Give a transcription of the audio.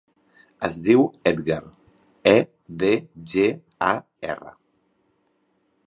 Es diu Edgar: e, de, ge, a, erra.